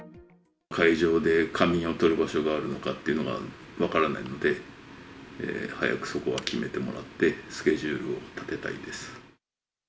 会場で仮眠をとる場所があるのかっていうのが分からないので、早くそこは決めってもらって、スケジュールを立てたいです。